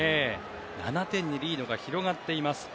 ７点にリードが広がっています。